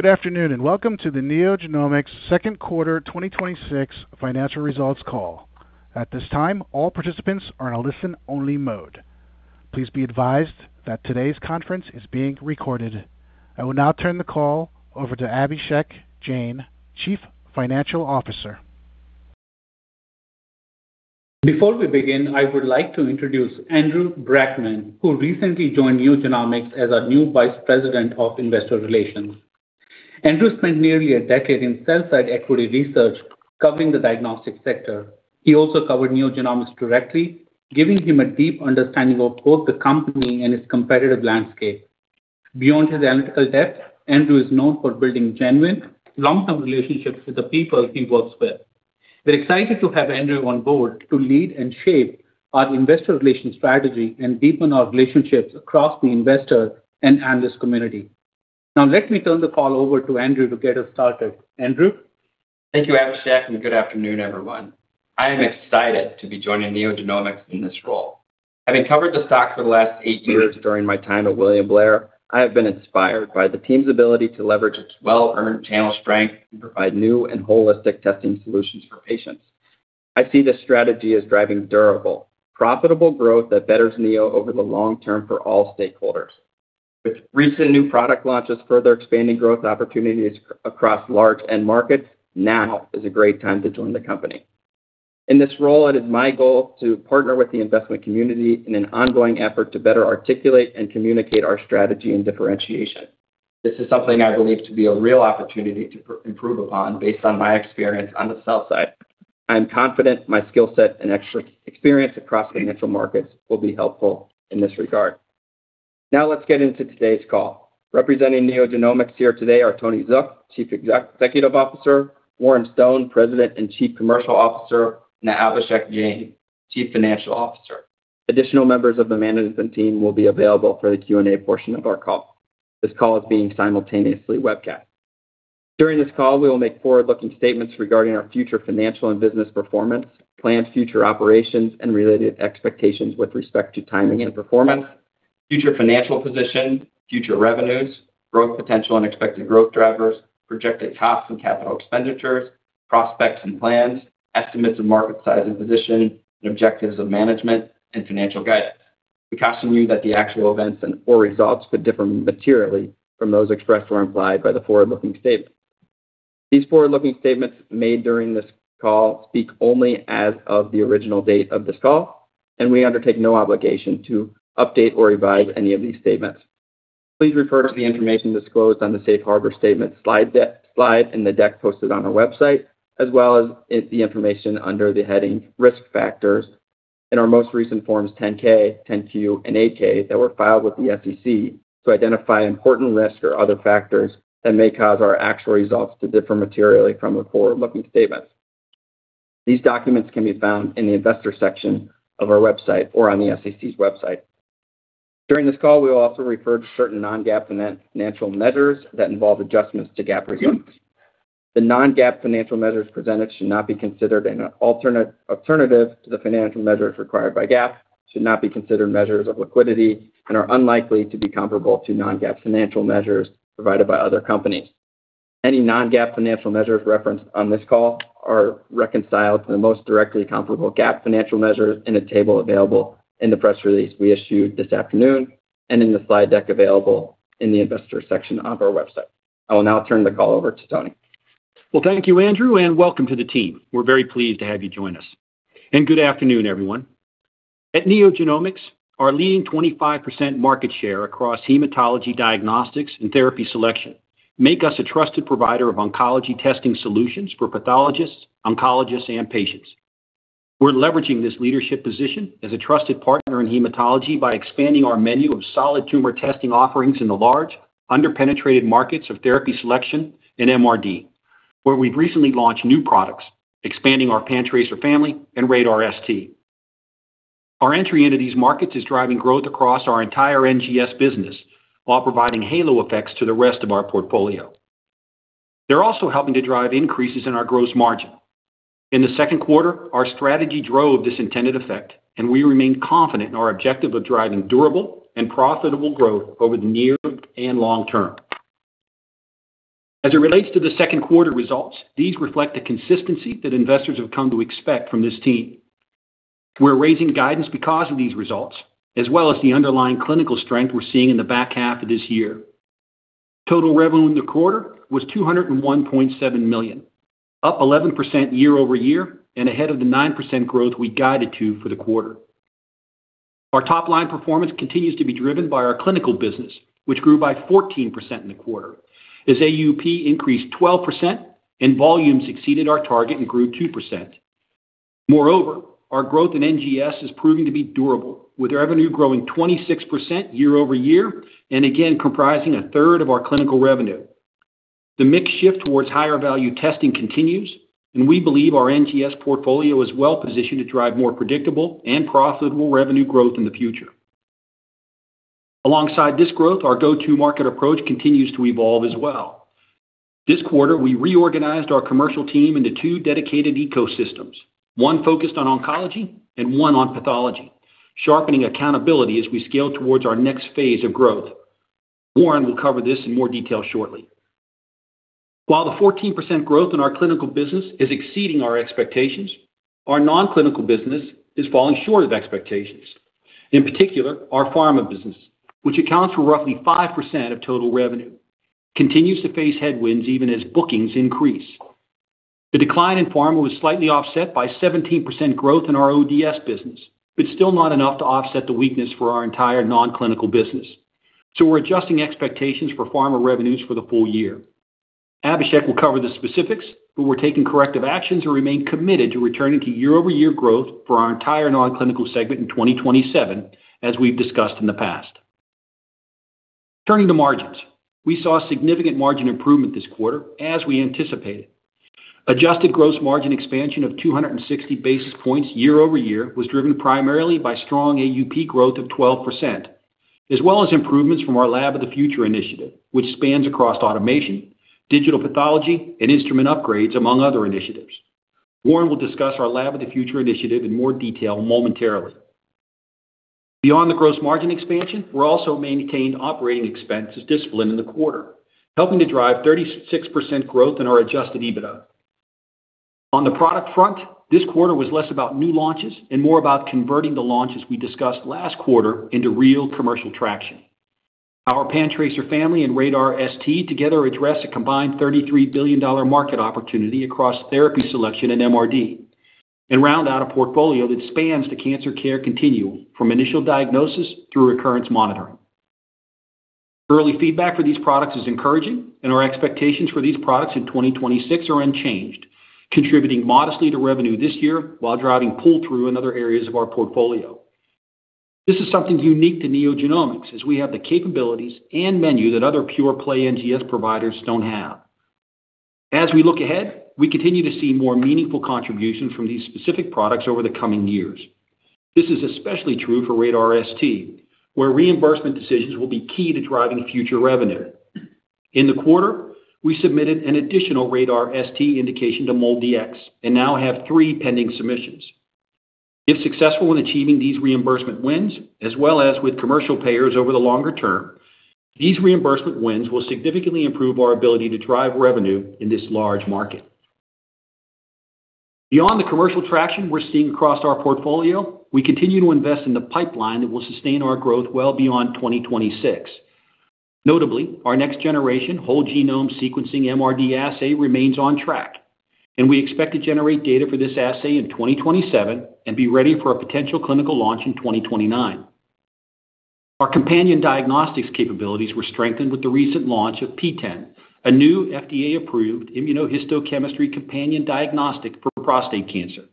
Good afternoon, welcome to the NeoGenomics second quarter 2026 financial results call. At this time, all participants are in a listen-only mode. Please be advised that today's conference is being recorded. I will now turn the call over to Abhishek Jain, Chief Financial Officer. Before we begin, I would like to introduce Andrew Brackmann, who recently joined NeoGenomics as our new Vice President of Investor Relations. Andrew spent nearly a decade in sell-side equity research covering the diagnostic sector. He also covered NeoGenomics directly, giving him a deep understanding of both the company and its competitive landscape. Beyond his analytical depth, Andrew is known for building genuine, long-term relationships with the people he works with. We're excited to have Andrew on board to lead and shape our investor relation strategy and deepen our relationships across the investor and analyst community. Let me turn the call over to Andrew to get us started. Andrew? Thank you, Abhishek, good afternoon, everyone. I am excited to be joining NeoGenomics in this role. Having covered the stock for the last eight years during my time at William Blair, I have been inspired by the team's ability to leverage its well-earned channel strength and provide new and holistic testing solutions for patients. I see this strategy as driving durable, profitable growth that betters Neo over the long term for all stakeholders. With recent new product launches further expanding growth opportunities across large end markets, now is a great time to join the company. In this role, it is my goal to partner with the investment community in an ongoing effort to better articulate and communicate our strategy and differentiation. This is something I believe to be a real opportunity to improve upon based on my experience on the sell side. I am confident my skill set and experience across the financial markets will be helpful in this regard. Let's get into today's call. Representing NeoGenomics here today are Tony Zook, Chief Executive Officer, Warren Stone, President and Chief Commercial Officer, and Abhishek Jain, Chief Financial Officer. Additional members of the management team will be available for the Q&A portion of our call. This call is being simultaneously webcast. During this call, we will make forward-looking statements regarding our future financial and business performance, planned future operations, and related expectations with respect to timing and performance, future financial position, future revenues, growth potential, and expected growth drivers, projected costs and capital expenditures, prospects and plans, estimates of market size and position, and objectives of management and financial guidance. We caution you that the actual events or results could differ materially from those expressed or implied by the forward-looking statement. These forward-looking statements made during this call speak only as of the original date of this call, and we undertake no obligation to update or revise any of these statements. Please refer to the information disclosed on the safe harbor statement slide in the deck posted on our website, as well as the information under the heading Risk Factors in our most recent Forms 10-K, 10-Q, and 8-K that were filed with the SEC to identify important risks or other factors that may cause our actual results to differ materially from the forward-looking statements. These documents can be found in the investor section of our website or on the SEC's website. During this call, we will also refer to certain non-GAAP financial measures that involve adjustments to GAAP results. The non-GAAP financial measures presented should not be considered an alternative to the financial measures required by GAAP, should not be considered measures of liquidity, and are unlikely to be comparable to non-GAAP financial measures provided by other companies. Any non-GAAP financial measures referenced on this call are reconciled to the most directly comparable GAAP financial measures in a table available in the press release we issued this afternoon and in the slide deck available in the investors section of our website. I will now turn the call over to Tony. Well, thank you, Andrew, and welcome to the team. We're very pleased to have you join us. Good afternoon, everyone. At NeoGenomics, our leading 25% market share across hematology diagnostics and therapy selection make us a trusted provider of oncology testing solutions for pathologists, oncologists, and patients. We're leveraging this leadership position as a trusted partner in hematology by expanding our menu of solid tumor testing offerings in the large, under-penetrated markets of therapy selection and MRD, where we've recently launched new products, expanding our PanTracer family and RaDaR ST. Our entry into these markets is driving growth across our entire NGS business while providing halo effects to the rest of our portfolio. They're also helping to drive increases in our gross margin. In the second quarter, our strategy drove this intended effect, and we remain confident in our objective of driving durable and profitable growth over the near and long term. As it relates to the second quarter results, these reflect the consistency that investors have come to expect from this team. We're raising guidance because of these results, as well as the underlying clinical strength we're seeing in the back half of this year. Total revenue in the quarter was $201.7 million, up 11% year-over-year and ahead of the 9% growth we guided to for the quarter. Our top-line performance continues to be driven by our clinical business, which grew by 14% in the quarter as AUP increased 12% and volume exceeded our target and grew 2%. Moreover, our growth in NGS is proving to be durable, with revenue growing 26% year-over-year, and again, comprising a third of our clinical revenue. The mix shift towards higher value testing continues, and we believe our NGS portfolio is well-positioned to drive more predictable and profitable revenue growth in the future. Alongside this growth, our go-to-market approach continues to evolve as well. This quarter, we reorganized our commercial team into two dedicated ecosystems, one focused on oncology and one on pathology. Sharpening accountability as we scale towards our next phase of growth. Warren will cover this in more detail shortly. While the 14% growth in our clinical business is exceeding our expectations, our non-clinical business is falling short of expectations. In particular, our pharma business, which accounts for roughly 5% of total revenue, continues to face headwinds even as bookings increase. The decline in pharma was slightly offset by 17% growth in our ODS business, but still not enough to offset the weakness for our entire non-clinical business. We're adjusting expectations for pharma revenues for the full year. Abhishek will cover the specifics, but we're taking corrective actions and remain committed to returning to year-over-year growth for our entire non-clinical segment in 2027, as we've discussed in the past. Turning to margins, we saw significant margin improvement this quarter, as we anticipated. Adjusted gross margin expansion of 260 basis points year-over-year was driven primarily by strong AUP growth of 12%, as well as improvements from our Lab of the Future initiative, which spans across automation, digital pathology, and instrument upgrades, among other initiatives. Warren will discuss our Lab of the Future initiative in more detail momentarily. Beyond the gross margin expansion, we also maintained operating expenses discipline in the quarter, helping to drive 36% growth in our adjusted EBITDA. On the product front, this quarter was less about new launches and more about converting the launches we discussed last quarter into real commercial traction. Our PanTracer family and RaDaR ST together address a combined $33 billion market opportunity across therapy selection and MRD, and round out a portfolio that spans the cancer care continuum from initial diagnosis through recurrence monitoring. Early feedback for these products is encouraging, and our expectations for these products in 2026 are unchanged, contributing modestly to revenue this year while driving pull-through in other areas of our portfolio. This is something unique to NeoGenomics, as we have the capabilities and menu that other pure play NGS providers don't have. As we look ahead, we continue to see more meaningful contribution from these specific products over the coming years. This is especially true for RaDaR ST, where reimbursement decisions will be key to driving future revenue. In the quarter, we submitted an additional RaDaR ST indication to MolDx and now have three pending submissions. If successful in achieving these reimbursement wins, as well as with commercial payers over the longer term, these reimbursement wins will significantly improve our ability to drive revenue in this large market. Beyond the commercial traction we're seeing across our portfolio, we continue to invest in the pipeline that will sustain our growth well beyond 2026. Notably, our next generation whole genome sequencing MRD assay remains on track, and we expect to generate data for this assay in 2027 and be ready for a potential clinical launch in 2029. Our companion diagnostics capabilities were strengthened with the recent launch of PTEN, a new FDA-approved immunohistochemistry companion diagnostic for prostate cancer.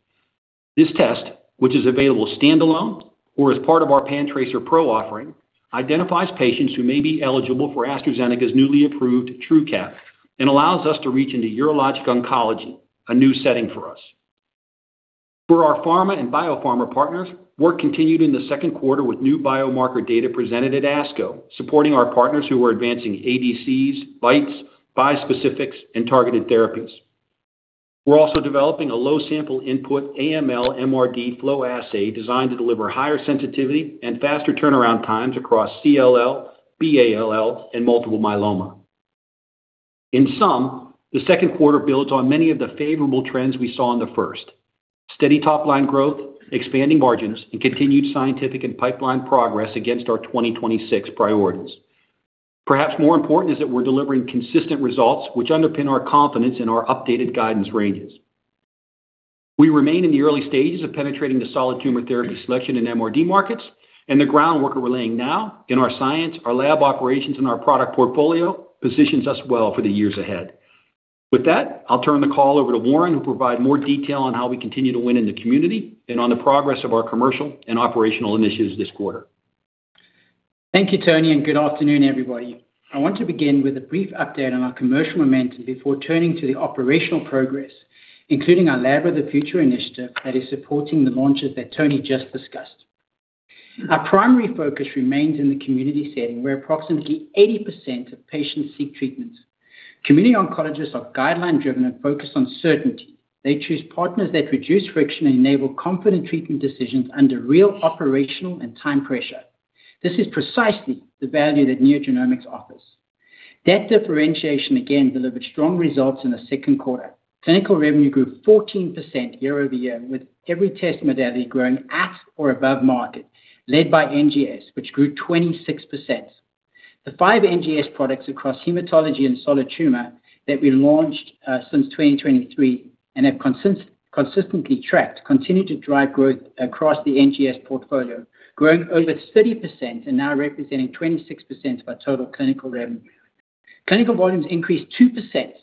This test, which is available standalone or as part of our PanTracer Pro offering, identifies patients who may be eligible for AstraZeneca's newly approved TRUQAP and allows us to reach into urologic oncology, a new setting for us. For our pharma and biopharma partners, work continued in the second quarter with new biomarker data presented at ASCO, supporting our partners who are advancing ADCs, bites, bispecifics, and targeted therapies. We're also developing a low sample input AML MRD flow assay designed to deliver higher sensitivity and faster turnaround times across CLL, B-ALL, and multiple myeloma. In sum, the second quarter builds on many of the favorable trends we saw in the first. Steady top-line growth, expanding margins, and continued scientific and pipeline progress against our 2026 priorities. Perhaps more important is that we're delivering consistent results which underpin our confidence in our updated guidance ranges. We remain in the early stages of penetrating the solid tumor therapy selection and MRD markets, and the groundwork we're laying now in our science, our lab operations, and our product portfolio positions us well for the years ahead. With that, I'll turn the call over to Warren, who'll provide more detail on how we continue to win in the community and on the progress of our commercial and operational initiatives this quarter. Thank you, Tony, and good afternoon, everybody. I want to begin with a brief update on our commercial momentum before turning to the operational progress, including our Lab of the Future initiative that is supporting the launches that Tony just discussed. Our primary focus remains in the community setting, where approximately 80% of patients seek treatment. Community oncologists are guideline-driven and focused on certainty. They choose partners that reduce friction and enable confident treatment decisions under real operational and time pressure. This is precisely the value that NeoGenomics offers. That differentiation, again, delivered strong results in the second quarter. Clinical revenue grew 14% year-over-year, with every test modality growing at or above market, led by NGS, which grew 26%. The five NGS products across hematology and solid tumor that we launched since 2023 and have consistently tracked continue to drive growth across the NGS portfolio, growing over 30% and now representing 26% of our total clinical revenue. Clinical volumes increased 2%,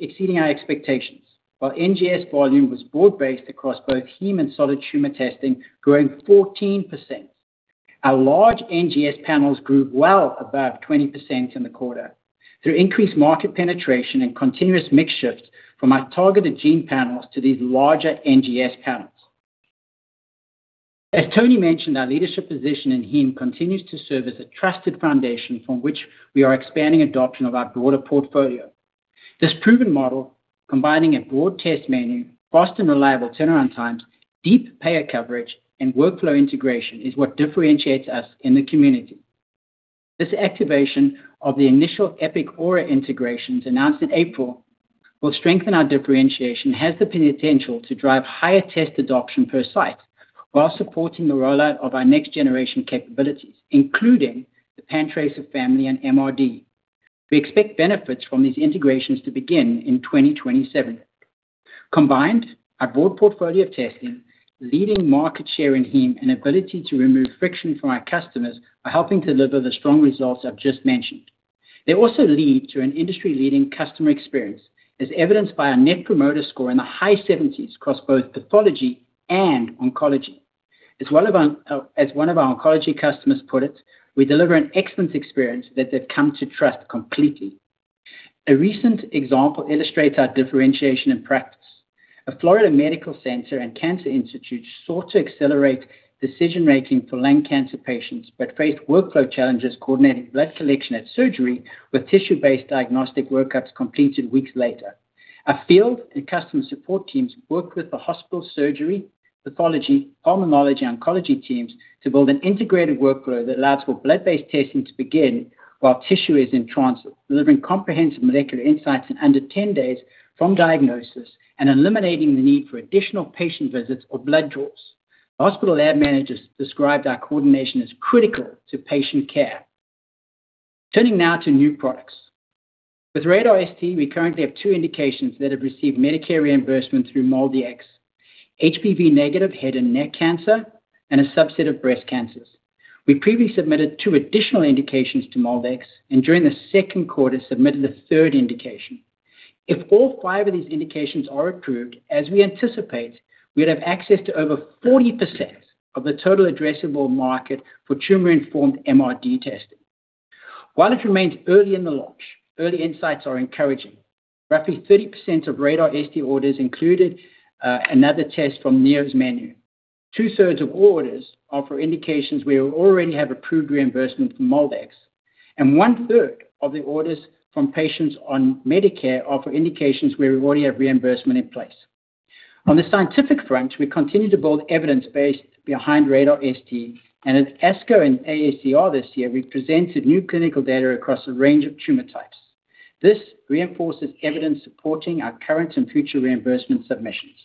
exceeding our expectations, while NGS volume was broad-based across both heme and solid tumor testing, growing 14%. Our large NGS panels grew well above 20% in the quarter through increased market penetration and continuous mix shift from our targeted gene panels to these larger NGS panels. As Tony mentioned, our leadership position in heme continues to serve as a trusted foundation from which we are expanding adoption of our broader portfolio. This proven model, combining a broad test menu, fast and reliable turnaround times, deep payer coverage and workflow integration, is what differentiates us in the community. This activation of the initial Epic Aura integrations announced in April will strengthen our differentiation, has the potential to drive higher test adoption per site while supporting the rollout of our next-generation capabilities, including the PanTracer family and MRD. We expect benefits from these integrations to begin in 2027. Combined, our broad portfolio of testing, leading market share in heme and ability to remove friction from our customers are helping deliver the strong results I've just mentioned. They also lead to an industry-leading customer experience, as evidenced by our net promoter score in the high 70s across both pathology and oncology. As one of our oncology customers put it, we deliver an excellent experience that they've come to trust completely. A recent example illustrates our differentiation and practice. A Florida medical center and cancer institute sought to accelerate decision-making for lung cancer patients, but faced workflow challenges coordinating blood collection at surgery with tissue-based diagnostic workups completed weeks later. Our field and customer support teams worked with the hospital surgery, pathology, pharmacology oncology teams to build an integrated workflow that allows for blood-based testing to begin while tissue is in transit, delivering comprehensive molecular insights in under 10 days from diagnosis and eliminating the need for additional patient visits or blood draws. The hospital lab managers described our coordination as critical to patient care. Turning now to new products. With RaDaR ST, we currently have two indications that have received Medicare reimbursement through MolDx, HPV negative head and neck cancer, and a subset of breast cancers. We previously submitted two additional indications to MolDx, and during the second quarter, submitted a third indication. If all five of these indications are approved, as we anticipate, we'd have access to over 40% of the total addressable market for tumor-informed MRD testing. While it remains early in the launch, early insights are encouraging. Roughly 30% of RaDaR ST orders included another test from Neo's menu. Two-thirds of orders are for indications we already have approved reimbursement from MolDx. One-third of the orders from patients on Medicare are for indications where we already have reimbursement in place. On the scientific front, we continue to build evidence based behind RaDaR ST. At ASCO and AACR this year, we presented new clinical data across a range of tumor types. This reinforces evidence supporting our current and future reimbursement submissions.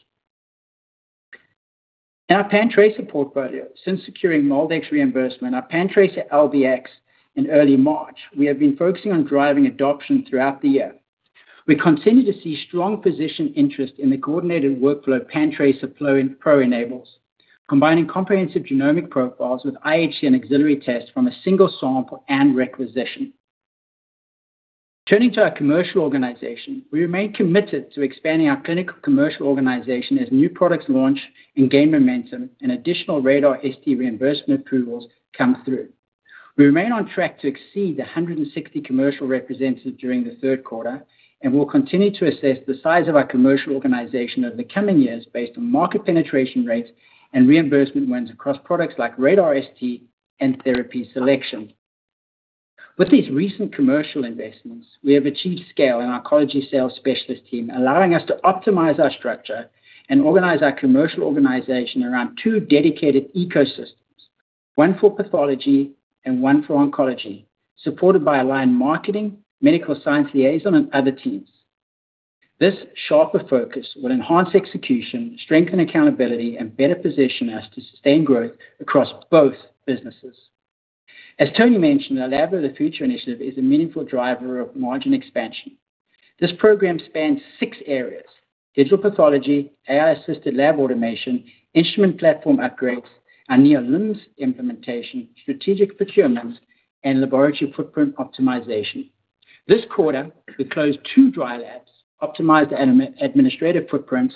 In our PanTracer portfolio, since securing MolDx reimbursement, our PanTracer LBx in early March, we have been focusing on driving adoption throughout the year. We continue to see strong physician interest in the coordinated workflow PanTracer Pro enables, combining comprehensive genomic profiles with IHC and auxiliary tests from a single sample and requisition. Turning to our commercial organization, we remain committed to expanding our clinical commercial organization as new products launch and gain momentum and additional RaDaR ST reimbursement approvals come through. We remain on track to exceed 160 commercial representatives during the third quarter and will continue to assess the size of our commercial organization over the coming years based on market penetration rates and reimbursement wins across products like RaDaR ST and therapy selection. With these recent commercial investments, we have achieved scale in our oncology sales specialist team, allowing us to optimize our structure and organize our commercial organization around two dedicated ecosystems, one for pathology and one for oncology, supported by aligned marketing, medical science liaison, and other teams. This sharper focus will enhance execution, strengthen accountability, and better position us to sustain growth across both businesses. As Tony mentioned, the Lab of the Future initiative is a meaningful driver of margin expansion. This program spans six areas, digital pathology, AI-assisted lab automation, instrument platform upgrades, our Neo LIMS implementation, strategic procurements, and laboratory footprint optimization. This quarter, we closed two dry labs, optimized administrative footprints,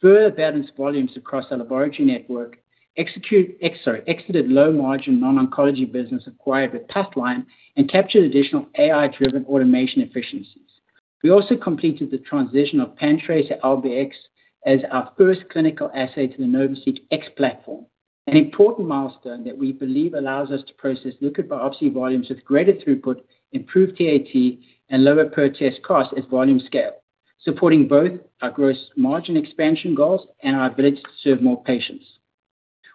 further balanced volumes across our laboratory network, exited low-margin non-oncology business acquired with Pathline, and captured additional AI-driven automation efficiencies. We also completed the transition of PanTracer LBx as our first clinical assay to the NovaSeq X platform, an important milestone that we believe allows us to process liquid biopsy volumes with greater throughput, improved TAT, and lower per-test cost at volume scale, supporting both our gross margin expansion goals and our ability to serve more patients.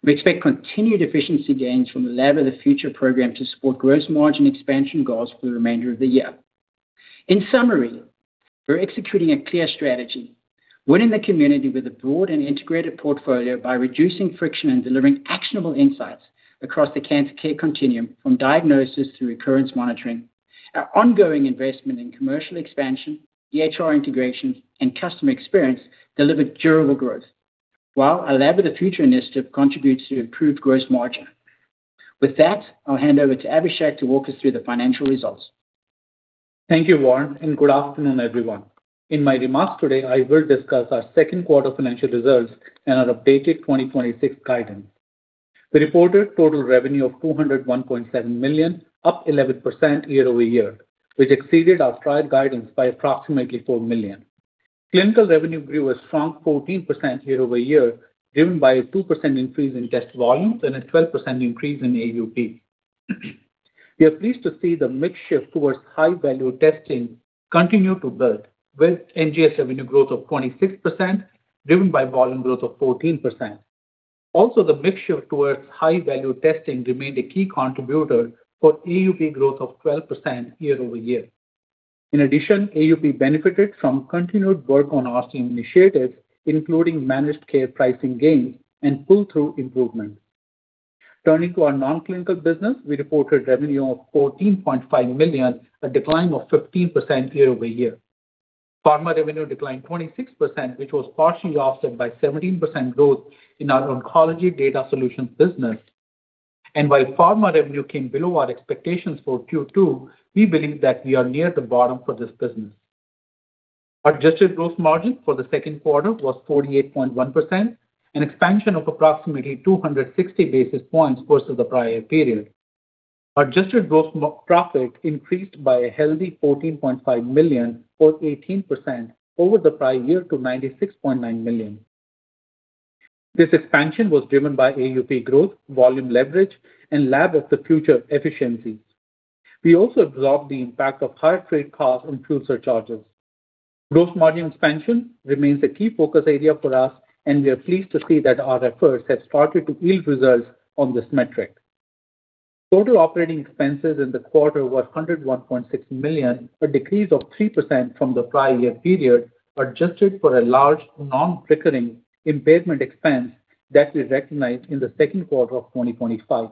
We expect continued efficiency gains from the Lab of the Future program to support gross margin expansion goals for the remainder of the year. In summary, we're executing a clear strategy, winning the community with a broad and integrated portfolio by reducing friction and delivering actionable insights across the cancer care continuum from diagnosis to recurrence monitoring. Our ongoing investment in commercial expansion, EHR integration, and customer experience delivered durable growth, while our Lab of the Future initiative contributes to improved gross margin. With that, I'll hand over to Abhishek to walk us through the financial results. Thank you, Warren, and good afternoon, everyone. In my remarks today, I will discuss our second quarter financial results and our updated 2026 guidance. We reported total revenue of $201.7 million, up 11% year-over-year, which exceeded our prior guidance by approximately $4 million. Clinical revenue grew a strong 14% year-over-year, driven by a 2% increase in test volumes and a 12% increase in AUP. We are pleased to see the mix shift towards high-value testing continue to build, with NGS revenue growth of 26%, driven by volume growth of 14%. Also, the mix shift towards high-value testing remained a key contributor for AUP growth of 12% year-over-year. In addition, AUP benefited from continued work on Austin initiatives, including managed care pricing gains and pull-through improvement. Turning to our non-clinical business, we reported revenue of $14.5 million, a decline of 15% year-over-year. Pharma revenue declined 26%, which was partially offset by 17% growth in our oncology data solutions business. While pharma revenue came below our expectations for Q2, we believe that we are near the bottom for this business. Adjusted gross margin for the second quarter was 48.1%, an expansion of approximately 260 basis points versus the prior period. Adjusted gross profit increased by a healthy $14.5 million, or 18%, over the prior year to $96.9 million. This expansion was driven by AUP growth, volume leverage, and Lab of the Future efficiencies. We also absorbed the impact of higher trade costs and fuel surcharges. Gross margin expansion remains a key focus area for us, and we are pleased to see that our efforts have started to yield results on this metric. Total operating expenses in the quarter were $101.6 million, a decrease of 3% from the prior year period, adjusted for a large non-recurring impairment expense that we recognized in the second quarter of 2025.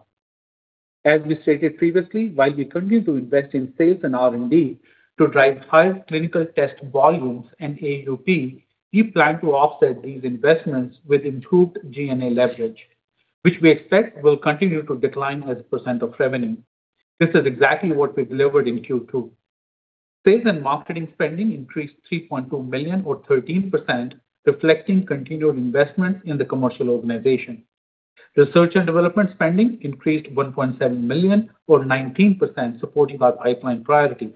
As we stated previously, while we continue to invest in sales and R&D to drive higher clinical test volumes and AUP, we plan to offset these investments with improved G&A leverage, which we expect will continue to decline as a percent of revenue. This is exactly what we delivered in Q2. Sales and marketing spending increased $3.2 million, or 13%, reflecting continued investment in the commercial organization. Research and development spending increased $1.7 million, or 19%, supporting our pipeline priorities.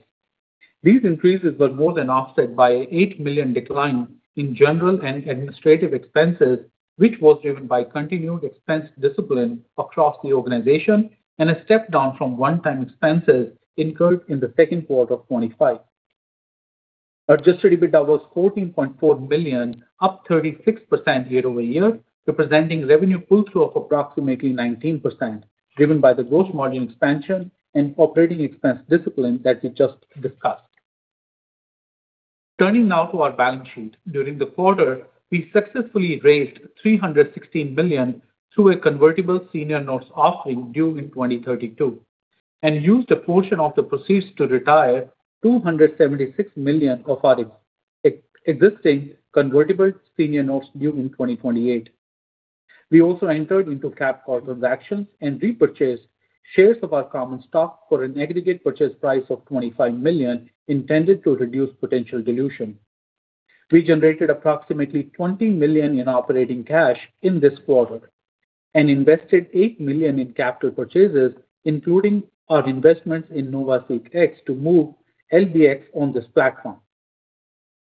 These increases were more than offset by an $8 million decline in general and administrative expenses, which was driven by continued expense discipline across the organization and a step down from one-time expenses incurred in the second quarter of 2025. Adjusted EBITDA was $14.4 million, up 36% year-over-year, representing revenue pull-through of approximately 19%, driven by the gross margin expansion and operating expense discipline that we just discussed. Turning now to our balance sheet. During the quarter, we successfully raised $316 million through a convertible senior notes offering due in 2032 and used a portion of the proceeds to retire $276 million of our existing convertible senior notes due in 2028. We also entered into capped call transactions and repurchased shares of our common stock for an aggregate purchase price of $25 million, intended to reduce potential dilution. We generated approximately $20 million in operating cash in this quarter and invested $8 million in capital purchases, including our investments in NovaSeq X to move LBx on this platform.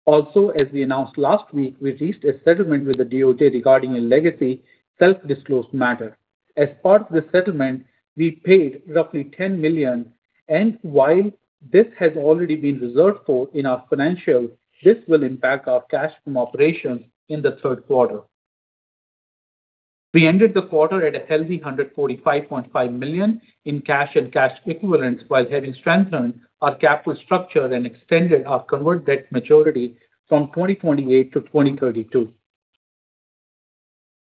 Also, as we announced last week, we reached a settlement with the DOJ regarding a legacy self-disclosed matter. As part of the settlement, we paid roughly $10 million, and while this has already been reserved for in our financials, this will impact our cash from operations in the third quarter. We ended the quarter at a healthy $145.5 million in cash and cash equivalents, while having strengthened our capital structure and extended our convert debt maturity from 2028 to 2032.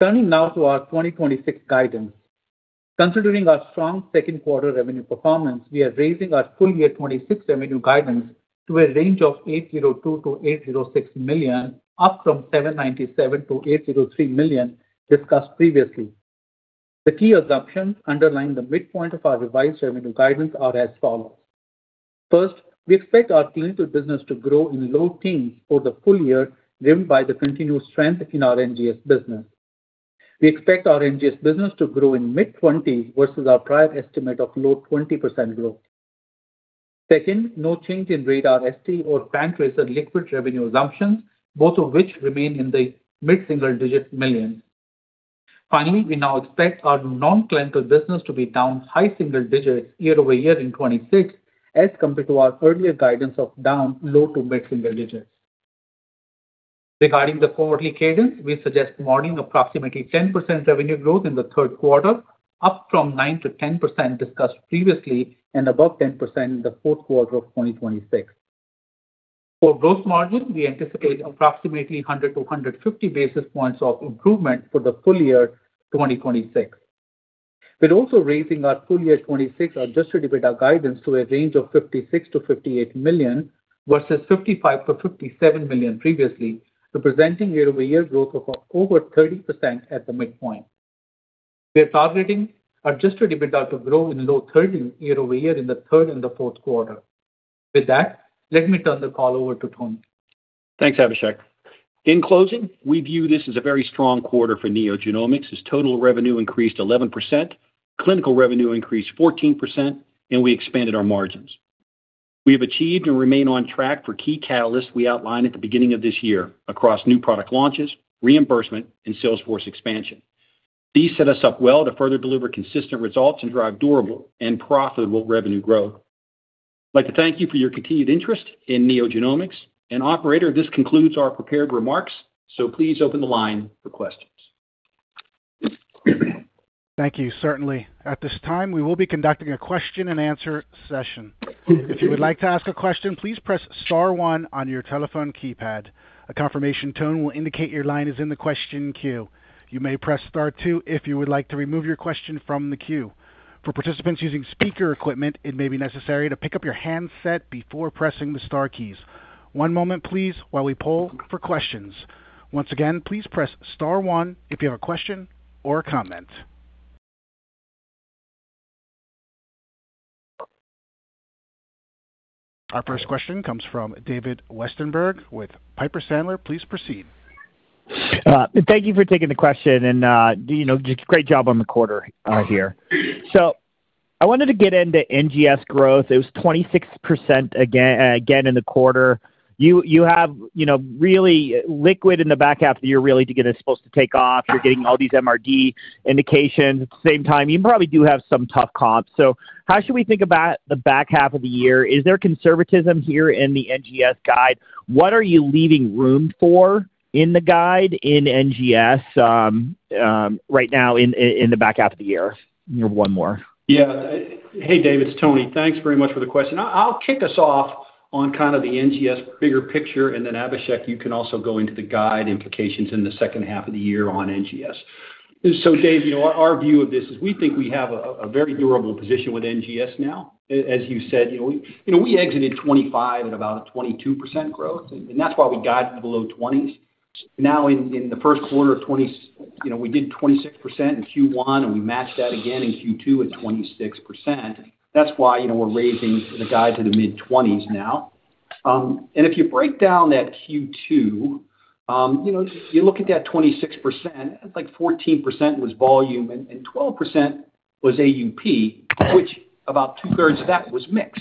Turning now to our 2026 guidance. Considering our strong second quarter revenue performance, we are raising our full year 2026 revenue guidance to a range of $802 million-$806 million, up from $797 million-$803 million discussed previously. The key assumptions underlying the midpoint of our revised revenue guidance are as follows. First, we expect our clinical business to grow in low teens for the full year, driven by the continued strength in our NGS business. We expect our NGS business to grow in mid-20s versus our prior estimate of low 20% growth. Second, no change in RaDaR ST or PanTracer liquid revenue assumptions, both of which remain in the mid-single digit millions. Finally, we now expect our non-clinical business to be down high single digits year-over-year in 2026 as compared to our earlier guidance of down low to mid-single digits. Regarding the quarterly cadence, we suggest modeling approximately 10% revenue growth in the third quarter, up from 9%-10% discussed previously and above 10% in the fourth quarter of 2026. For gross margin, we anticipate approximately 100 to 150 basis points of improvement for the full year 2026. We're also raising our full year 2026 adjusted EBITDA guidance to a range of $56 million-$58 million versus $55 million-$57 million previously, representing year-over-year growth of over 30% at the midpoint. We are targeting adjusted EBITDA to grow in low 30s year-over-year in the third and fourth quarter. With that, let me turn the call over to Tony. Thanks, Abhishek. In closing, we view this as a very strong quarter for NeoGenomics, as total revenue increased 11%. Clinical revenue increased 14%, and we expanded our margins. We have achieved and remain on track for key catalysts we outlined at the beginning of this year across new product launches, reimbursement, and sales force expansion. These set us up well to further deliver consistent results and drive durable and profitable revenue growth. I'd like to thank you for your continued interest in NeoGenomics. Operator, this concludes our prepared remarks. Please open the line for questions. Thank you. Certainly. At this time, we will be conducting a question and answer session. If you would like to ask a question, please press star one on your telephone keypad. A confirmation tone will indicate your line is in the question queue. You may press star two if you would like to remove your question from the queue. For participants using speaker equipment, it may be necessary to pick up your handset before pressing the star keys. One moment, please, while we poll for questions. Once again, please press star one if you have a question or a comment. Our first question comes from David Westenberg with Piper Sandler. Please proceed. Thank you for taking the question. Great job on the quarter here. I wanted to get into NGS growth. It was 26% again in the quarter. You have PanTracer liquid in the back half of the year, really to get this supposed to take off. You're getting all these MRD indications at the same time. You probably do have some tough comps. How should we think about the back half of the year? Is there conservatism here in the NGS guide? What are you leaving room for in the guide in NGS right now in the back half of the year? One more. Yeah. Hey, David, it's Tony. Thanks very much for the question. I'll kick us off on kind of the NGS bigger picture, and then Abhishek, you can also go into the guide implications in the second half of the year on NGS. David, our view of this is we think we have a very durable position with NGS now. As you said, we exited 2025 at about a 22% growth, and that's why we got to the low 20s. In the first quarter, we did 26% in Q1, and we matched that again in Q2 at 26%. That's why we're raising the guide to the mid-20s now. If you break down that Q2, if you look at that 26%, it's like 14% was volume and 12% was AUP, which about two-thirds of that was mixed.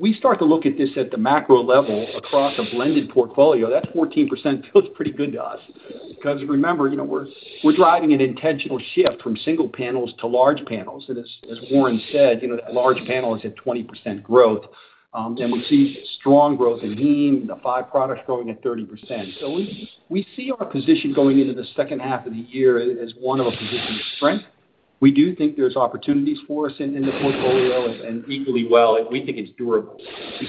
We start to look at this at the macro level across a blended portfolio, that 14% feels pretty good to us because remember, we're driving an intentional shift from single panels to large panels. As Warren said, that large panel is at 20% growth, and we see strong growth in heme and the five products growing at 30%. We see our position going into the second half of the year as one of a position of strength. We do think there's opportunities for us in the portfolio and equally well, we think it's durable.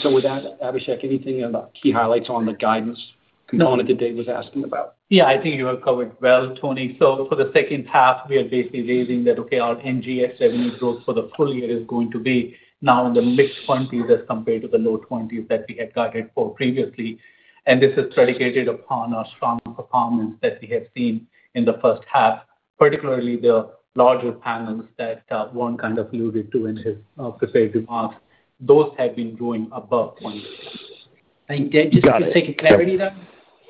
With that, Abhishek, anything about key highlights on the guidance component that Dave was asking about? Yeah, I think you have covered well, Tony. For the second half, we are basically raising that okay, our NGS revenue growth for the full year is going to be now in the mid-20s as compared to the low 20s that we had guided for previously. This is predicated upon our strong performance that we have seen in the first half, particularly the larger panels that Warren kind of alluded to in his prepared remarks. Those have been growing above 20. Got it. Dave, just for sake of clarity there,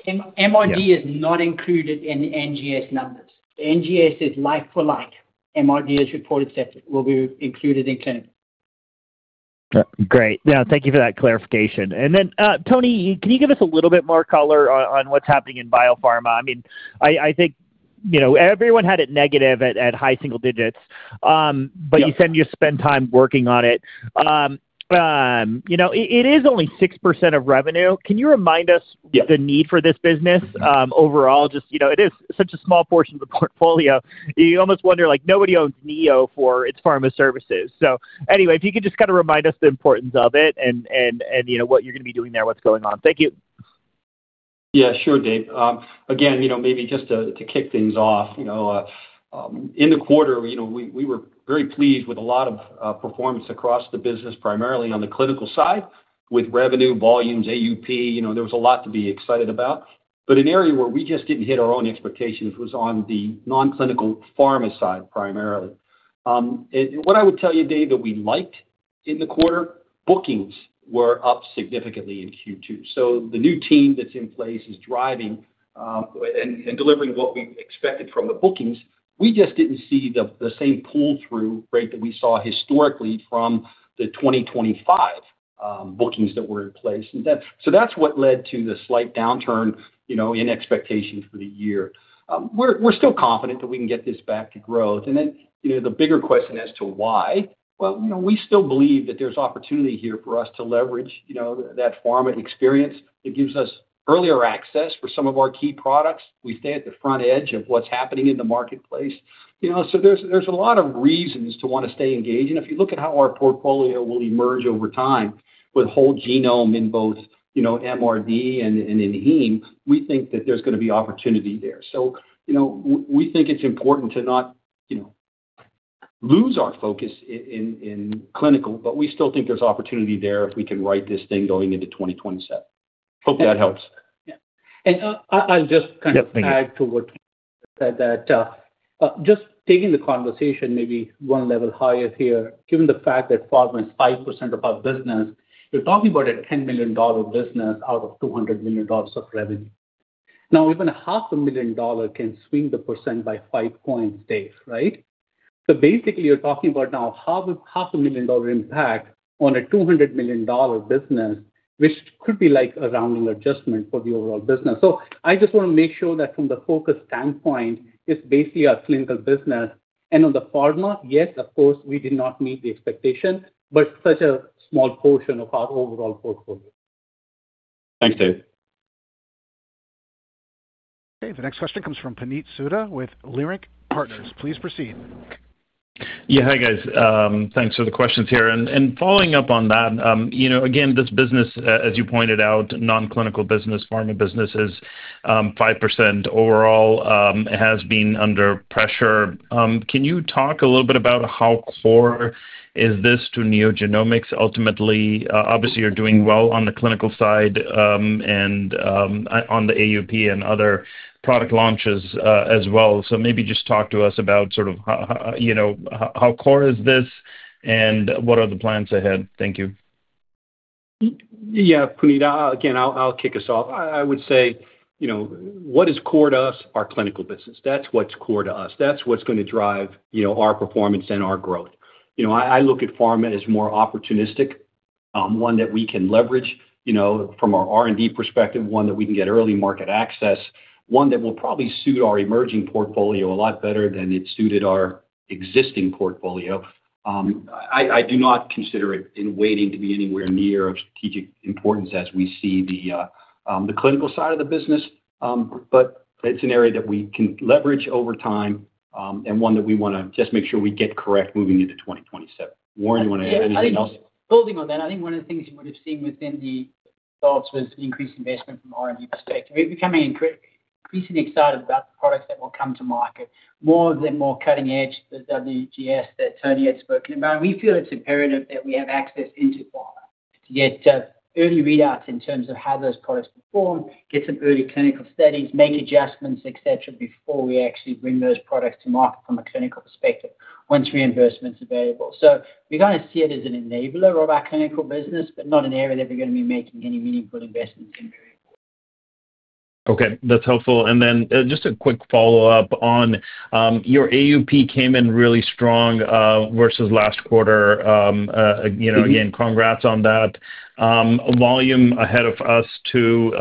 MRD is not included in the NGS numbers. The NGS is like for like. MRD, as reported, will be included in clinical. Great. No, thank you for that clarification. Tony, can you give us a little bit more color on what's happening in biopharma? I think everyone had it negative at high single digits, you said you spend time working on it. It is only 6% of revenue. Can you remind us the need for this business overall? It is such a small portion of the portfolio, you almost wonder, nobody owns Neo for its pharma services. If you could just kind of remind us the importance of it and what you're going to be doing there, what's going on. Thank you. Yeah, sure, Dave. Maybe just to kick things off, in the quarter, we were very pleased with a lot of performance across the business, primarily on the clinical side with revenue, volumes, AUP. There was a lot to be excited about, an area where we just didn't hit our own expectations was on the non-clinical pharma side, primarily. What I would tell you, Dave, that we liked in the quarter, bookings were up significantly in Q2. The new team that's in place is driving and delivering what we expected from the bookings. We just didn't see the same pull-through rate that we saw historically from the 2025 bookings that were in place. That's what led to the slight downturn in expectations for the year. We're still confident that we can get this back to growth. The bigger question as to why. Well, we still believe that there's opportunity here for us to leverage that pharma experience. It gives us earlier access for some of our key products. We stay at the front edge of what's happening in the marketplace. There's a lot of reasons to want to stay engaged, if you look at how our portfolio will emerge over time with whole genome in both MRD and in heme, we think that there's going to be opportunity there. We think it's important to not lose our focus in clinical, we still think there's opportunity there if we can right this thing going into 2027. Hope that helps. Yeah. I'll just kind of add to what said that just taking the conversation maybe one level higher here, given the fact that pharma is 5% of our business, you're talking about a $10 million business out of $200 million of revenue. Now, even a half a million dollar can swing the percent by five points, Dave. Basically, you're talking about now half a million dollar impact on a $200 million business, which could be like a rounding adjustment for the overall business. I just want to make sure that from the focus standpoint, it's basically our clinical business. On the pharma, yes, of course, we did not meet the expectation, but such a small portion of our overall portfolio. Thanks, Dave. Okay. The next question comes from Puneet Souda with Leerink Partners. Please proceed. Yeah. Hi, guys. Thanks for the questions here. Following up on that, again, this business, as you pointed out, non-clinical business, pharma business is 5% overall. It has been under pressure. Can you talk a little bit about how core is this to NeoGenomics ultimately? Obviously, you're doing well on the clinical side, and on the AUP and other product launches as well. Maybe just talk to us about how core is this, and what are the plans ahead. Thank you. Yeah, Puneet. Again, I'll kick us off. I would say, what is core to us? Our clinical business. That's what's core to us. That's what's going to drive our performance and our growth. I look at pharma as more opportunistic. One that we can leverage, from our R&D perspective, one that we can get early market access, one that will probably suit our emerging portfolio a lot better than it suited our existing portfolio. I do not consider it in waiting to be anywhere near of strategic importance as we see the clinical side of the business. But it's an area that we can leverage over time, and one that we want to just make sure we get correct moving into 2027. Warren, you want to add anything else? Yeah. Building on that, I think one of the things you would have seen within the thoughts was the increased investment from R&D perspective. We're becoming increasingly excited about the products that will come to market. More of them, more cutting edge, the WGS that Tony had spoken about. We feel it's imperative that we have access into pharma to get early readouts in terms of how those products perform, get some early clinical studies, make adjustments, et cetera, before we actually bring those products to market from a clinical perspective once reimbursements are variable. We kind of see it as an enabler of our clinical business, but not an area that we're going to be making any meaningful investments in. Okay, that's helpful. Just a quick follow-up on, your AUP came in really strong, versus last quarter. Again, congrats on that. Volume ahead of us, too.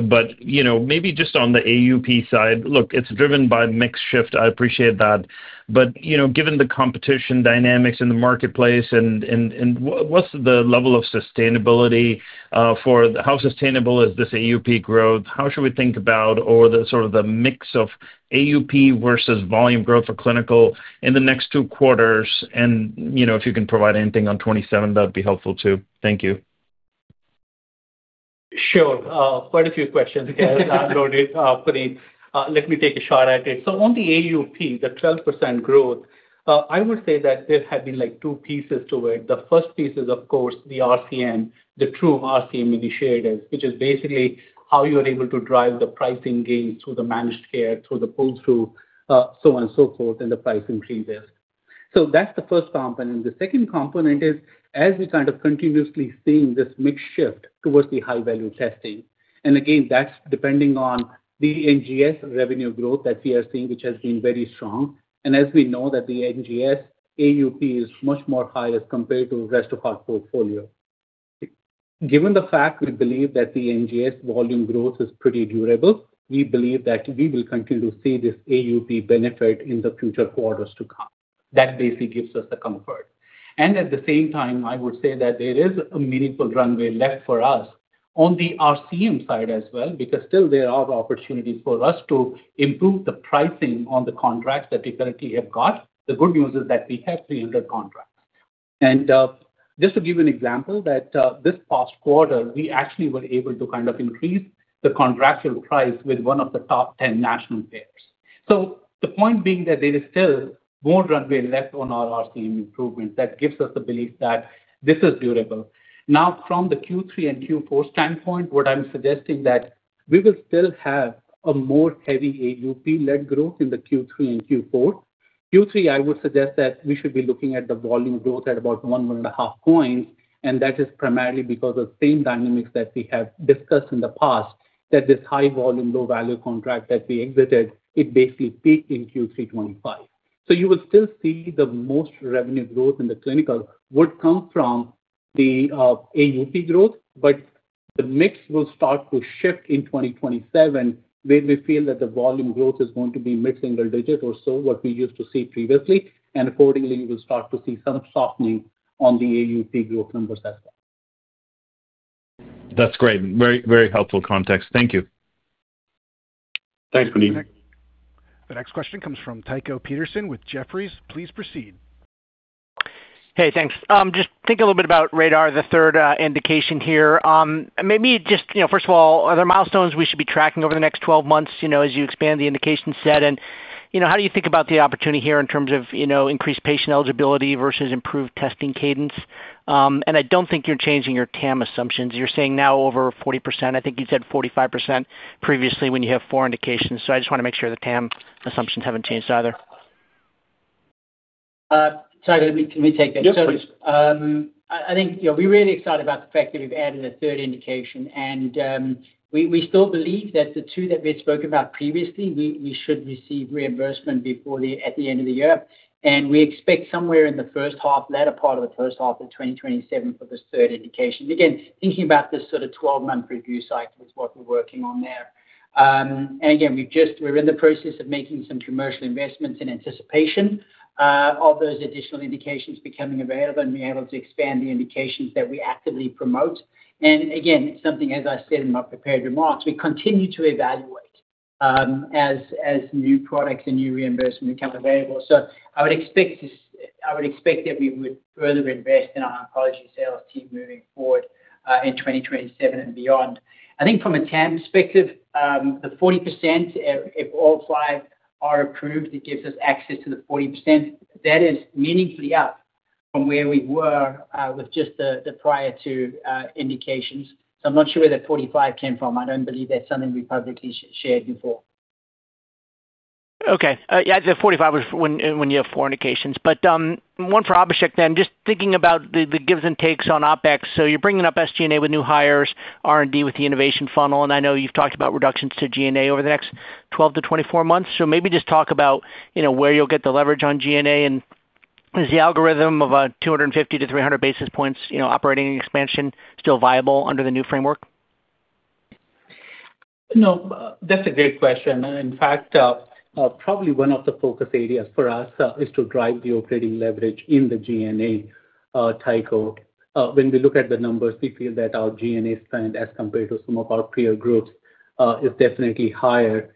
Maybe just on the AUP side, look, it's driven by mix shift. I appreciate that. Given the competition dynamics in the marketplace, how sustainable is this AUP growth? How should we think about or the sort of the mix of AUP versus volume growth for clinical in the next two quarters? If you can provide anything on 2027, that'd be helpful too. Thank you. Sure. Quite a few questions there Puneet. Let me take a shot at it. On the AUP, the 12% growth, I would say that there have been two pieces to it. The first piece is, of course, the RCM, the true RCM initiatives, which is basically how you are able to drive the pricing gains through the managed care, through the pull-through, so on and so forth, and the price increases. That's the first component. The second component is as we kind of continuously seeing this mix shift towards the high-value testing, and again, that's depending on the NGS revenue growth that we are seeing, which has been very strong. As we know that the NGS AUP is much more higher compared to rest of our portfolio. Given the fact we believe that the NGS volume growth is pretty durable, we believe that we will continue to see this AUP benefit in the future quarters to come. That basically gives us the comfort. At the same time, I would say that there is a meaningful runway left for us on the RCM side as well, because still there are opportunities for us to improve the pricing on the contracts that we currently have got. The good news is that we have 300 contracts. Just to give you an example that, this past quarter, we actually were able to increase the contractual price with one of the top 10 national payers. The point being that there is still more runway left on our RCM improvements. That gives us the belief that this is durable. Now, from the Q3 and Q4 standpoint, what I'm suggesting that we will still have a more heavy AUP-led growth in the Q3 and Q4. Q3, I would suggest that we should be looking at the volume growth at about one and a half points, and that is primarily because of same dynamics that we have discussed in the past, that this high volume, low value contract that we exited, it basically peaked in Q3 2025. You will still see the most revenue growth in the clinical would come from the AUP growth, but the mix will start to shift in 2027 where we feel that the volume growth is going to be mid-single digit or so, what we used to see previously. Accordingly, we will start to see some softening on the AUP growth numbers as well. That's great. Very helpful context. Thank you. Thanks, Puneet. The next question comes from Tycho Peterson with Jefferies. Please proceed. Hey, thanks. Just think a little bit about RaDaR, the third indication here. Maybe just, first of all, are there milestones we should be tracking over the next 12 months, as you expand the indication set? How do you think about the opportunity here in terms of increased patient eligibility versus improved testing cadence? I don't think you're changing your TAM assumptions. You're saying now over 40%. I think you said 45% previously when you have four indications. I just want to make sure the TAM assumptions haven't changed either. Tycho, let me take that. Yes, please. I think we're really excited about the fact that we've added a third indication. We still believe that the two that we had spoken about previously, we should receive reimbursement at the end of the year. We expect somewhere in the latter part of the first half of 2027 for this third indication. Again, thinking about this sort of 12-month review cycle is what we're working on there. Again, we're in the process of making some commercial investments in anticipation of those additional indications becoming available and being able to expand the indications that we actively promote. Again, it's something, as I said in my prepared remarks, we continue to evaluate as new products and new reimbursement become available. I would expect that we would further invest in our oncology sales team moving forward, in 2027 and beyond. I think from a TAM perspective, the 40%, if all five are approved, it gives us access to the 40%. That is meaningfully up from where we were with just the prior two indications. I'm not sure where that 45 came from. I don't believe that's something we've publicly shared before. Okay. Yeah, the 45 is when you have four indications. One for Abhishek then, just thinking about the gives and takes on OpEx. You're bringing up SG&A with new hires, R&D with the innovation funnel, and I know you've talked about reductions to G&A over the next 12 to 24 months. Maybe just talk about where you'll get the leverage on G&A, and is the algorithm of a 250 to 300 basis points operating expansion still viable under the new framework? No, that's a great question. In fact, probably one of the focus areas for us is to drive the operating leverage in the G&A, Tycho. When we look at the numbers, we feel that our G&A spend, as compared to some of our peer groups, is definitely higher.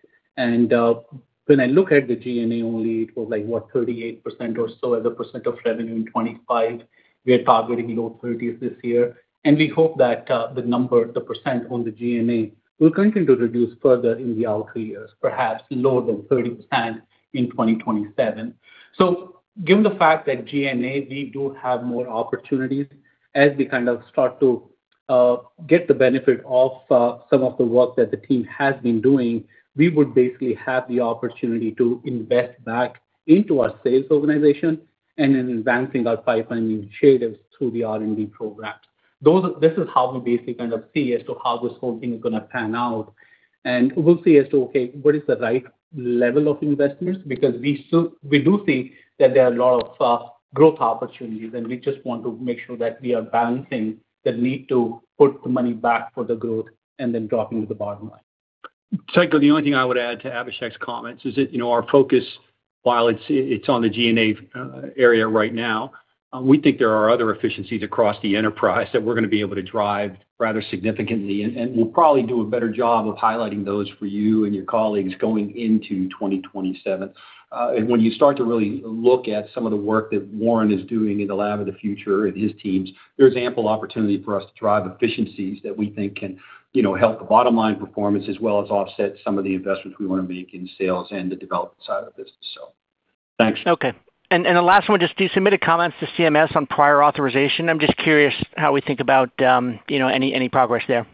When I look at the G&A only, it was like, what, 38% or so as a percent of revenue in 2025. We are targeting low thirties this year. We hope that the number, the percent on the G&A will continue to reduce further in the upcoming years, perhaps lower than 30% in 2027. Given the fact that G&A, we do have more opportunities as we kind of start to get the benefit of some of the work that the team has been doing, we would basically have the opportunity to invest back into our sales organization and in advancing our pipeline initiatives through the R&D programs. This is how we basically kind of see as to how this whole thing is going to pan out. We'll see as to, okay, what is the right level of investments, because we do think that there are a lot of fast growth opportunities, and we just want to make sure that we are balancing the need to put the money back for the growth and then dropping to the bottom line. Tycho, the only thing I would add to Abhishek's comments is that our focus, while it's on the G&A area right now, we think there are other efficiencies across the enterprise that we're going to be able to drive rather significantly, and we'll probably do a better job of highlighting those for you and your colleagues going into 2027. When you start to really look at some of the work that Warren is doing in the Lab of the Future and his teams, there's ample opportunity for us to drive efficiencies that we think can help the bottom-line performance as well as offset some of the investments we want to make in sales and the development side of the business. Thanks. Okay. The last one, just you submitted comments to CMS on prior authorization. I'm just curious how we think about any progress there.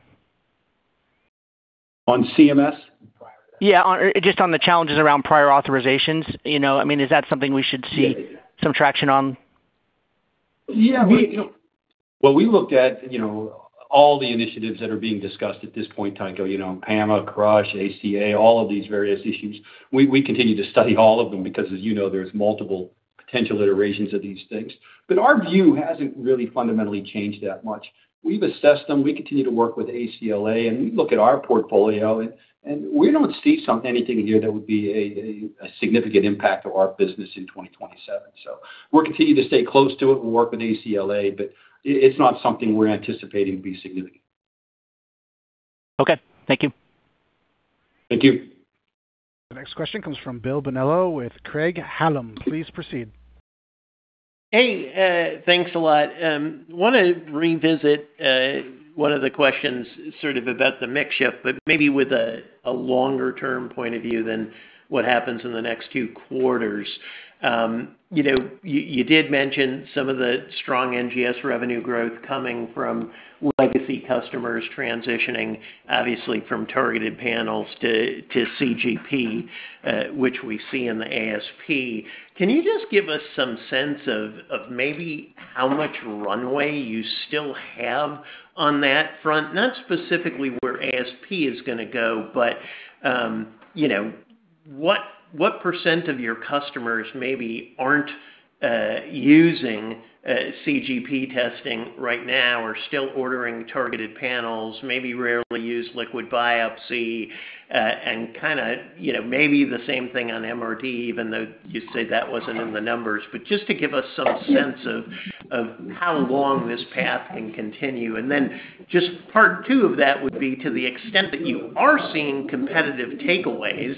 On CMS? Yeah, just on the challenges around prior authorizations. Is that something we should see some traction on? Yeah. What we looked at, all the initiatives that are being discussed at this point in time Tycho, PAMA, CRASH, ACA, all of these various issues. We continue to study all of them because as you know, there's multiple potential iterations of these things. Our view hasn't really fundamentally changed that much. We've assessed them, we continue to work with ACLA, we look at our portfolio, and we don't see anything here that would be a significant impact to our business in 2027. We'll continue to stay close to it. We'll work with ACLA, it's not something we're anticipating to be significant. Okay. Thank you. Thank you. The next question comes from Bill Bonello with Craig-Hallum. Please proceed. Hey, thanks a lot. Want to revisit one of the questions sort of about the mix shift, but maybe with a longer-term point of view than what happens in the next 2 quarters. You did mention some of the strong NGS revenue growth coming from legacy customers transitioning, obviously from targeted panels to CGP, which we see in the ASP. Can you just give us some sense of maybe how much runway you still have on that front? Not specifically where ASP is going to go, but what percent of your customers maybe aren't using CGP testing right now, are still ordering targeted panels, maybe rarely use liquid biopsy, and maybe the same thing on MRD, even though you say that wasn't in the numbers. Just to give us some sense of how long this path can continue. Then just part two of that would be to the extent that you are seeing competitive takeaways,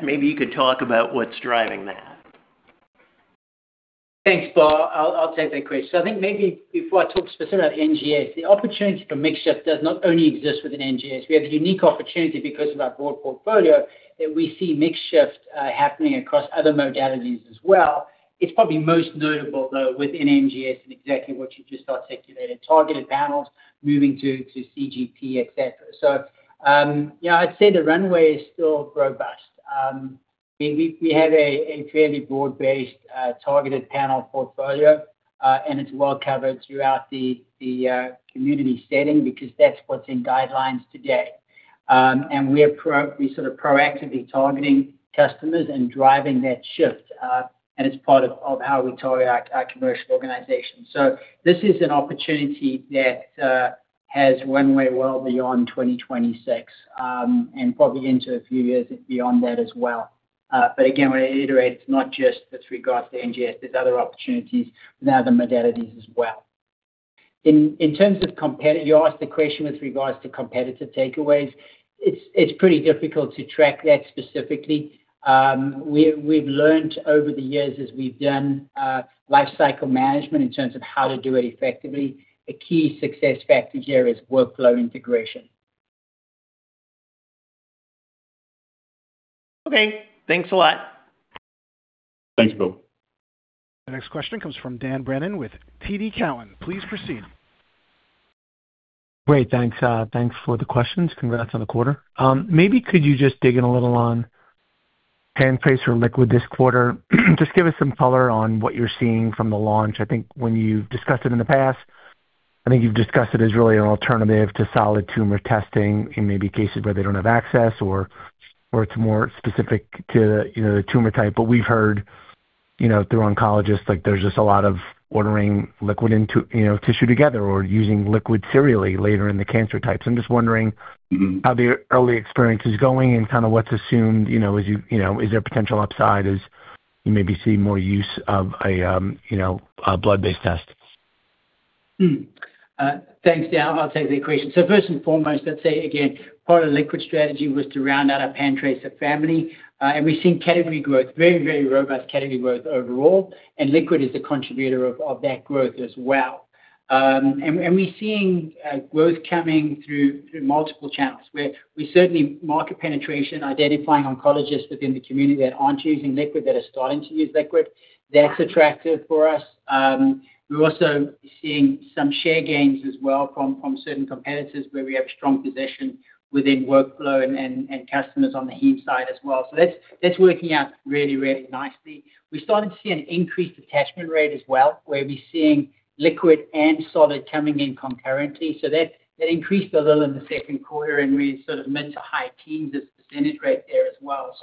maybe you could talk about what's driving that. Thanks, Bill. I'll take that question. I think maybe before I talk specifically about NGS, the opportunity for mix shift does not only exist within NGS. We have the unique opportunity because of our broad portfolio that we see mix shift happening across other modalities as well. It's probably most notable, though, within NGS and exactly what you just articulated, targeted panels moving to CGP, et cetera. Yeah, I'd say the runway is still robust. We have a fairly broad-based targeted panel portfolio, and it's well covered throughout the community setting because that's what's in guidelines today. We're sort of proactively targeting customers and driving that shift, and it's part of how we target our commercial organization. This is an opportunity that has runway well beyond 2026, and probably into a few years beyond that as well. I want to reiterate, it's not just with regards to NGS. There's other opportunities with other modalities as well. In terms of competitive, you asked the question with regards to competitive takeaways. It's pretty difficult to track that specifically. We've learned over the years as we've done life cycle management in terms of how to do it effectively. A key success factor here is workflow integration. Okay. Thanks a lot. Thanks, Bill. The next question comes from Dan Brennan with TD Cowen. Please proceed. Great, thanks. Thanks for the questions. Congrats on the quarter. Maybe could you just dig in a little on PanTracer liquid this quarter? Just give us some color on what you're seeing from the launch. When you've discussed it in the past, you've discussed it as really an alternative to solid tumor testing in maybe cases where they don't have access or it's more specific to the tumor type. We've heard through oncologists, there's just a lot of ordering liquid and tissue together or using liquid serially later in the cancer types. I'm just wondering how the early experience is going and kind of what's assumed, is there potential upside as you maybe see more use of a blood-based test? Thanks, Dan. I'll take the question. First and foremost, let's say again, part of the liquid strategy was to round out our PanTracer family. We're seeing category growth, very robust category growth overall, and liquid is a contributor of that growth as well. We're seeing growth coming through multiple channels where we certainly market penetration, identifying oncologists within the community that aren't using liquid, that are starting to use liquid. That's attractive for us. We're also seeing some share gains as well from certain competitors where we have strong position within workflow and customers on the heat side as well. That's working out really nicely. We're starting to see an increased attachment rate as well, where we're seeing liquid and solid coming in concurrently. That increased a little in the second quarter, and we're sort of mid to high teens as the percentage rate there as well.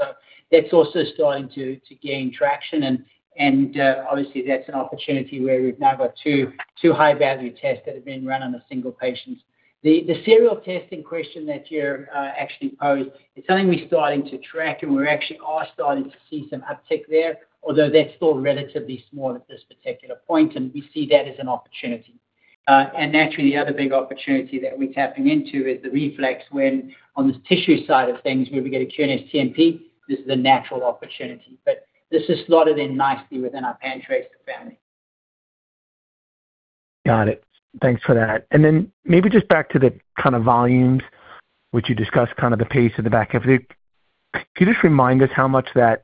That's also starting to gain traction and obviously that's an opportunity where we've now got two high-value tests that have been run on a single patient. The serial testing question that you actually posed is something we're starting to track, and we actually are starting to see some uptick there, although that's still relatively small at this particular point, and we see that as an opportunity. Naturally, the other big opportunity that we're tapping into is the reflex when on the tissue side of things, where we get a QNS, this is a natural opportunity. This is slotted in nicely within our PanTracer family. Got it. Thanks for that. Maybe just back to the kind of volumes, which you discussed kind of the pace of the back half. Could you just remind us how much that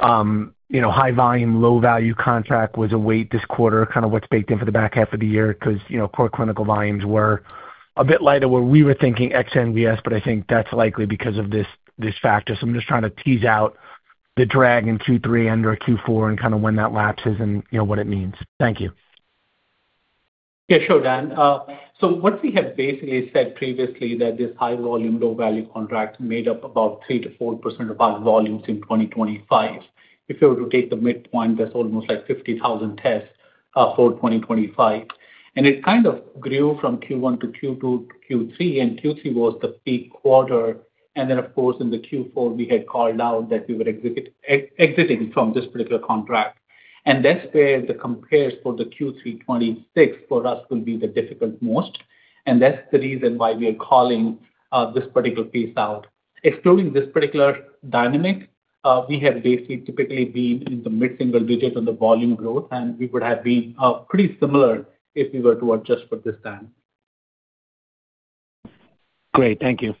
high volume, low value contract was a weight this quarter, kind of what's baked in for the back half of the year? Core clinical volumes were a bit lighter where we were thinking X NVS, but I think that's likely because of this factor. I'm just trying to tease out the drag in Q3 under Q4 and kind of when that lapses and what it means. Thank you. Yeah, sure, Dan. What we had basically said previously that this high volume, low value contract made up about 3%-4% of our volumes in 2025. If you were to take the midpoint, that's almost like 50,000 tests for 2025. It kind of grew from Q1 to Q2 to Q3, and Q3 was the peak quarter. Then, of course, in the Q4, we had called out that we were exiting from this particular contract. That's where the compares for the Q3 2026 for us will be the difficult most. That's the reason why we are calling this particular piece out. Excluding this particular dynamic, we have basically typically been in the mid-single digits on the volume growth, and we would have been pretty similar if we were to adjust for this time. Great. Thank you.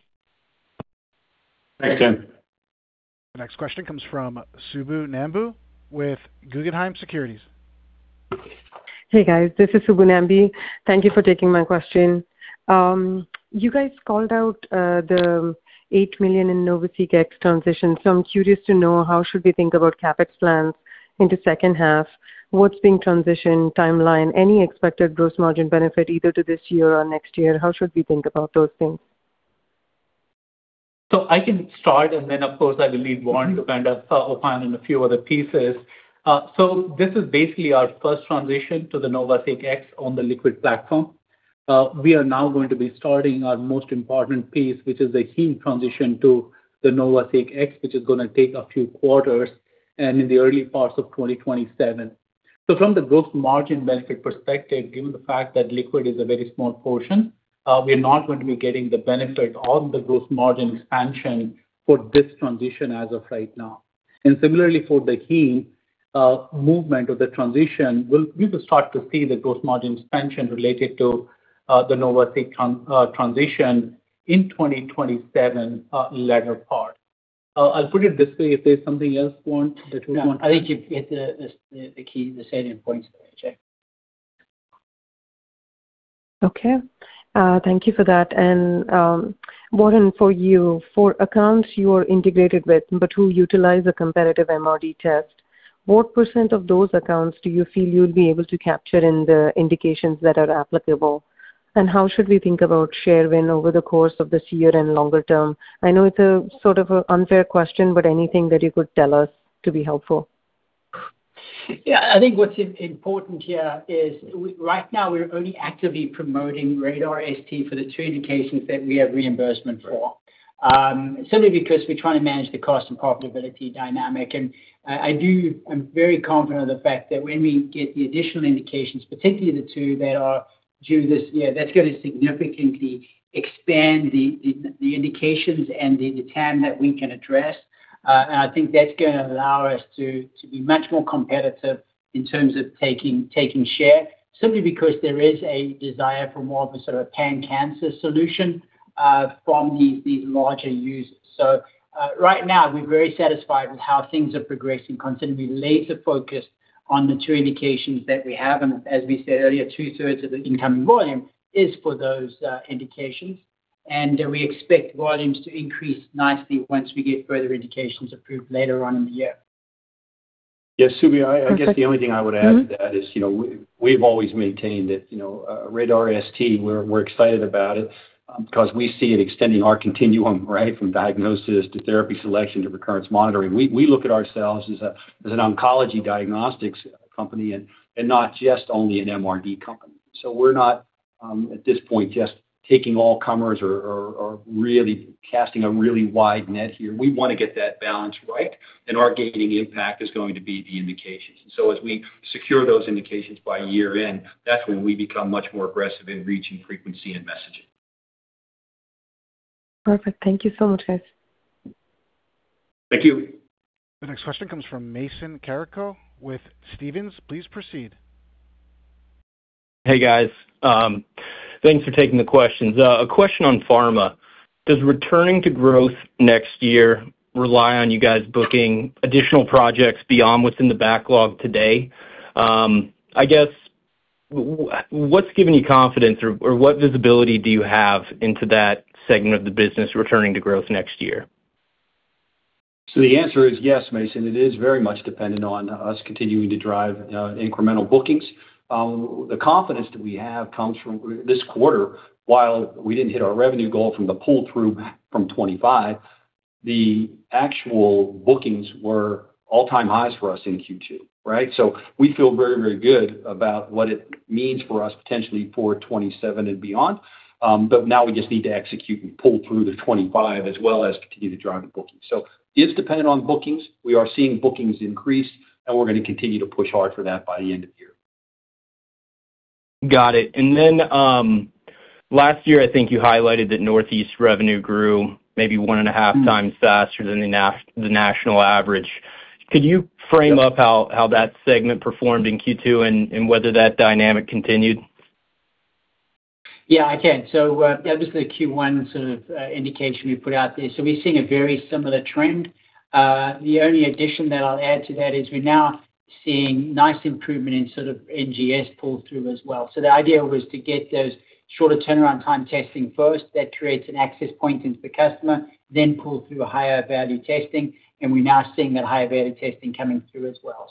Thanks, Dan. The next question comes from Subbu Nambi with Guggenheim Securities. Hey, guys, this is Subbu Nambi. Thank you for taking my question. You guys called out the $8 million in NovaSeq X transition. I'm curious to know how should we think about CapEx plans into second half? What's being transition timeline? Any expected gross margin benefit either to this year or next year? How should we think about those things? I can start, and then, of course, I will need Warren to kind of opine on a few other pieces. This is basically our first transition to the NovaSeq X on the liquid platform. We are now going to be starting our most important piece, which is the heat transition to the NovaSeq X, which is going to take a few quarters and in the early parts of 2027. From the gross margin benefit perspective, given the fact that liquid is a very small portion, we're not going to be getting the benefit on the gross margin expansion for this transition as of right now. Similarly for the heat movement of the transition, we'll start to see the gross margin expansion related to the NovaSeq transition in 2027, latter part. I'll put it this way. If there's something else, Warren, that you want to. No, I think you've hit the key, the salient points there, Jain. Okay. Thank you for that. Warren, for you, for accounts you are integrated with, but who utilize a competitive MRD test, what % of those accounts do you feel you'll be able to capture in the indications that are applicable? How should we think about share win over the course of this year and longer term? I know it's a sort of unfair question, but anything that you could tell us to be helpful. Yeah. I think what's important here is right now we're only actively promoting RaDaR ST for the two indications that we have reimbursement for. Simply because we're trying to manage the cost and profitability dynamic. I'm very confident of the fact that when we get the additional indications, particularly the two that are due this year, that's going to significantly expand the indications and the TAM that we can address. I think that's going to allow us to be much more competitive in terms of taking share, simply because there is a desire for more of a sort of pan-cancer solution from these larger users. Right now, we're very satisfied with how things are progressing considering we laser focus on the two indications that we have. As we said earlier, two-thirds of the incoming volume is for those indications. We expect volumes to increase nicely once we get further indications approved later on in the year. Yes, Subi, I guess the only thing I would add to that is we've always maintained that RaDaR ST, we're excited about it because we see it extending our continuum right from diagnosis to therapy selection to recurrence monitoring. We look at ourselves as an oncology diagnostics company and not just only an MRD company. We're not, at this point, just taking all comers or really casting a really wide net here. We want to get that balance right, and our gating impact is going to be the indications. As we secure those indications by year-end, that's when we become much more aggressive in reaching frequency and messaging. Perfect. Thank you so much, guys. Thank you. The next question comes from Mason Carrico with Stephens. Please proceed. Hey, guys. Thanks for taking the questions. A question on pharma. Does returning to growth next year rely on you guys booking additional projects beyond what's in the backlog today? I guess, what's giving you confidence or what visibility do you have into that segment of the business returning to growth next year? The answer is yes, Mason, it is very much dependent on us continuing to drive incremental bookings. The confidence that we have comes from this quarter, while we didn't hit our revenue goal from the pull-through from 2025, the actual bookings were all-time highs for us in Q2, right? We feel very, very good about what it means for us potentially for 2027 and beyond. Now we just need to execute and pull through the 2025 as well as continue to drive the bookings. It's dependent on bookings. We are seeing bookings increase, and we're going to continue to push hard for that by the end of the year. Got it. Last year, I think you highlighted that northeast revenue grew maybe one and a half times faster than the national average. Could you frame up how that segment performed in Q2 and whether that dynamic continued? Yeah, I can. That was the Q1 sort of indication we put out there. We're seeing a very similar trend. The only addition that I'll add to that is we're now seeing nice improvement in sort of NGS pull-through as well. The idea was to get those shorter turnaround time testing first. That creates an access point into the customer, pull through higher value testing, we're now seeing that higher value testing coming through as well.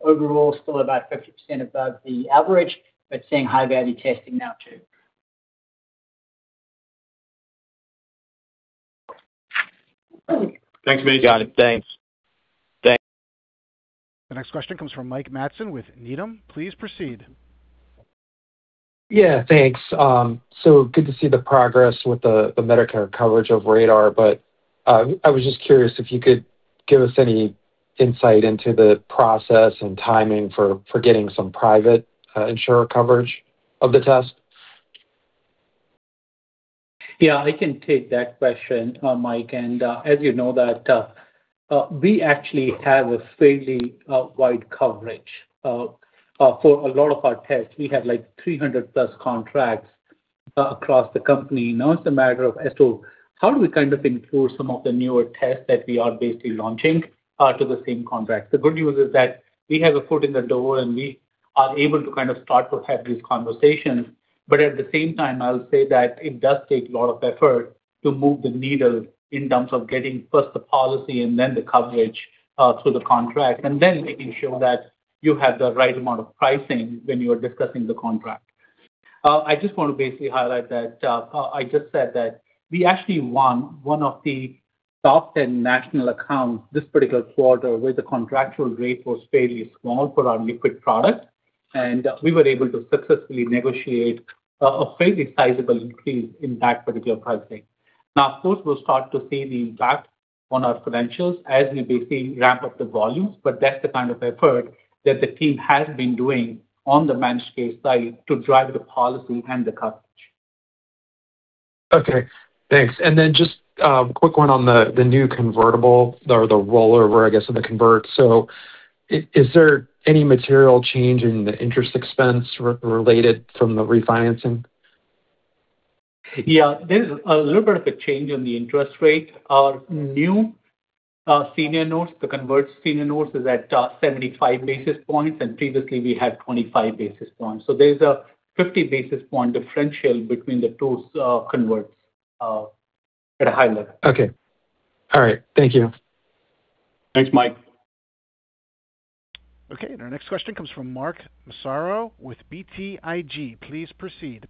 Overall, still about 50% above the average, but seeing high-value testing now too. Thanks, Mason. Got it. Thanks. The next question comes from Mike Matson with Needham. Please proceed. Yeah, thanks. Good to see the progress with the Medicare coverage of RaDaR, but I was just curious if you could give us any insight into the process and timing for getting some private insurer coverage of the test. Yeah, I can take that question, Mike. As you know that, we actually have a fairly wide coverage. For a lot of our tests, we have like 300+ contracts across the company. Now it's a matter of as to how do we kind of include some of the newer tests that we are basically launching to the same contract. The good news is that we have a foot in the door and we are able to kind of start to have these conversations, but at the same time, I'll say that it does take a lot of effort to move the needle in terms of getting first the policy and then the coverage through the contract, and then making sure that you have the right amount of pricing when you are discussing the contract. I just want to basically highlight that, I just said that we actually won one of the top 10 national accounts this particular quarter where the contractual rate was fairly small for our liquid product, and we were able to successfully negotiate a fairly sizable increase in that particular pricing. Of course, we'll start to see the impact on our credentials as we basically ramp up the volumes, but that's the kind of effort that the team has been doing on the managed care side to drive the policy and the coverage. Okay, thanks. Just a quick one on the new convertible or the rollover, I guess, of the convert. Is there any material change in the interest expense related from the refinancing? Yeah. There's a little bit of a change in the interest rate. Our new senior notes, the convert senior notes, is at 75 basis points, and previously we had 25 basis points. There's a 50 basis point differential between the two converts at a high level. Okay. All right. Thank you. Thanks, Mike. Okay, our next question comes from Mark Massaro with BTIG. Please proceed.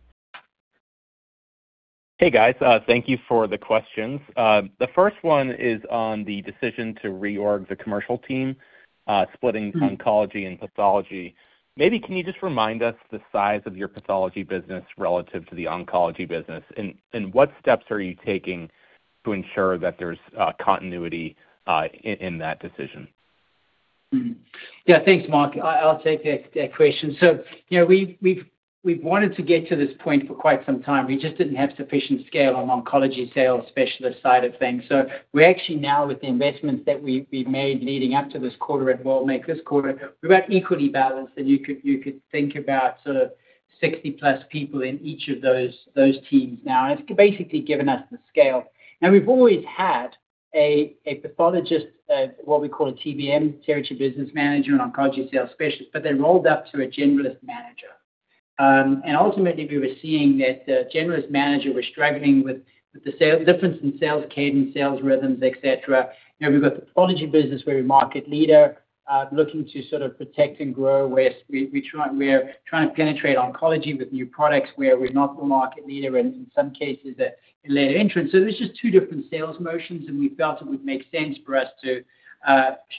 Hey, guys. Thank you for the questions. The first one is on the decision to reorg the commercial team, splitting oncology and pathology. Maybe can you just remind us the size of your pathology business relative to the oncology business? What steps are you taking to ensure that there's continuity in that decision? Yeah. Thanks, Mark. I'll take that question. We've wanted to get to this point for quite some time. We just didn't have sufficient scale on the oncology sales specialist side of things. We're actually now, with the investments that we've made leading up to this quarter and will make this quarter, we're about equally balanced, and you could think about 60+ people in each of those teams now. It's basically given us the scale. We've always had a pathologist, what we call a TBM, territory business manager, and oncology sales specialist, but they're rolled up to a generalist manager. Ultimately, we were seeing that the generalist manager was struggling with the difference in sales cadence, sales rhythms, et cetera. We've got the pathology business, we're a market leader, looking to sort of protect and grow, where we're trying to penetrate oncology with new products where we're not the market leader and in some cases, a later entrant. There's just two different sales motions, and we felt it would make sense for us to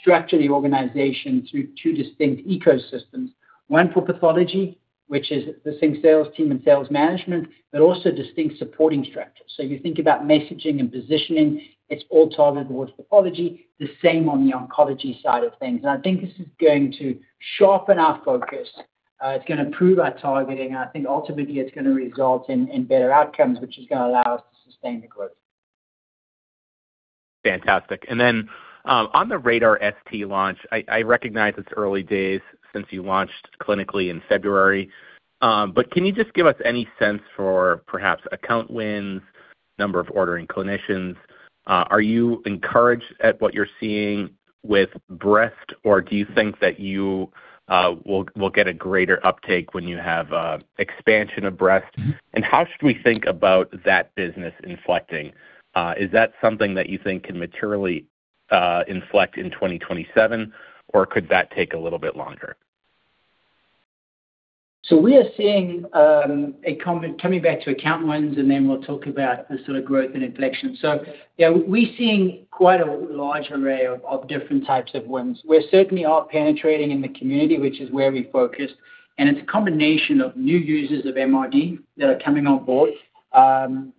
structure the organization through two distinct ecosystems, one for pathology, which is the same sales team and sales management, but also distinct supporting structures. You think about messaging and positioning, it's all targeted towards pathology. The same on the oncology side of things. I think this is going to sharpen our focus. It's going to improve our targeting. I think ultimately, it's going to result in better outcomes, which is going to allow us to sustain the growth. Fantastic. On the RaDaR ST launch, I recognize it's early days since you launched clinically in February. Can you just give us any sense for perhaps account wins, number of ordering clinicians? Are you encouraged at what you're seeing with breast or do you think that you will get a greater uptake when you have expansion of breast? How should we think about that business inflecting? Is that something that you think can materially inflect in 2027, or could that take a little bit longer? We are seeing, coming back to account wins, and then we'll talk about the sort of growth and inflection. Yeah, we're seeing quite a large array of different types of wins. We certainly are penetrating in the community, which is where we focused, and it's a combination of new users of MRD that are coming on board,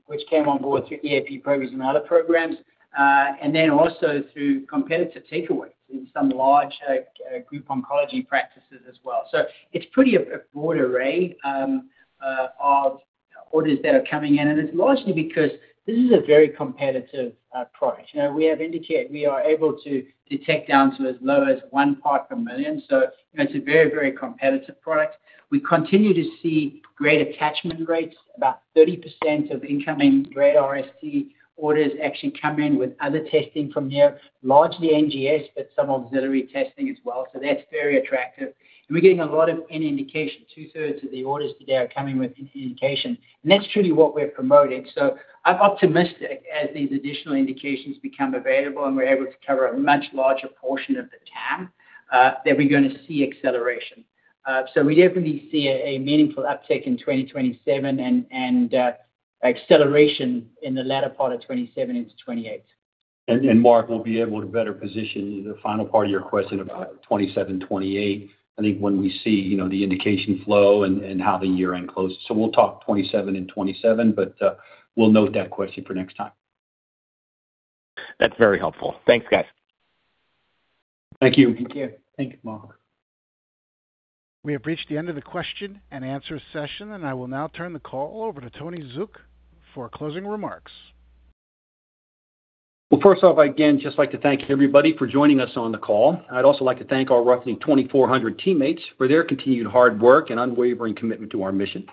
which came on board through EAP programs and other programs. Also through competitor takeaways in some large group oncology practices as well. It's pretty a broad array of orders that are coming in, and it's largely because this is a very competitive product. We have indicated we are able to detect down to as low as one part per million, so it's a very competitive product. We continue to see great attachment rates. About 30% of incoming RaDaR ST orders actually come in with other testing from Neo, largely NGS, but some auxiliary testing as well. That's very attractive. We're getting a lot of in indication. Two-thirds of the orders today are coming with in indication, and that's truly what we're promoting. I'm optimistic as these additional indications become available and we're able to cover a much larger portion of the TAM, that we're going to see acceleration. We definitely see a meaningful uptick in 2027 and acceleration in the latter part of 2027 into 2028. Mark, we'll be able to better position the final part of your question about 2027, 2028, I think when we see the indication flow and how the year-end closes. We'll talk 2027 in 2027, but we'll note that question for next time. That's very helpful. Thanks, guys. Thank you. Thank you. We have reached the end of the question and answer session. I will now turn the call over to Tony Zook for closing remarks. Well, first off, I again just like to thank everybody for joining us on the call. I'd also like to thank our roughly 2,400 teammates for their continued hard work and unwavering commitment to our mission.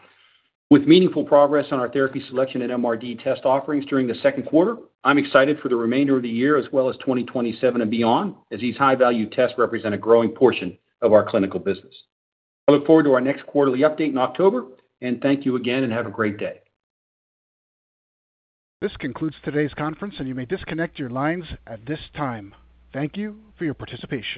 With meaningful progress on our therapy selection and MRD test offerings during the second quarter, I'm excited for the remainder of the year as well as 2027 and beyond, as these high-value tests represent a growing portion of our clinical business. I look forward to our next quarterly update in October. Thank you again and have a great day. This concludes today's conference. You may disconnect your lines at this time. Thank you for your participation.